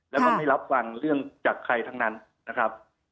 แล้วก็ไม่รับฟังเรื่องจากใครทั้งนั้นนะครับ